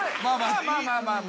まあまあまあまあ。